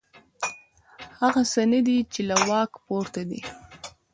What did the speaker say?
هغه څه نه دي چې له واک پورته دي.